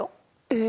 え